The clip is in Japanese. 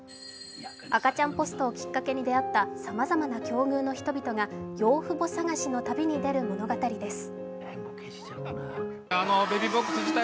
赤ちゃんポストをきっかけに出会ったさまざまな境遇の人々が養父母探しの旅に出る物語です。